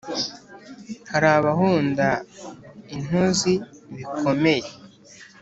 hari abahonda intozi bikomeye,